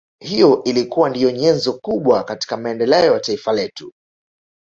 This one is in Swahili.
Hiyo ilikuwa ndiyo nyenzo kubwa katika maendeleo ya Taifa letu